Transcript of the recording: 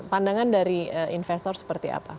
pandangan dari investor seperti apa